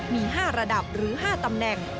มี๕ระดับหรือ๕ตำแหน่ง